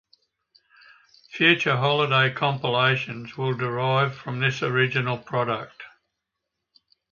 Future holiday compilations will derive from this original product.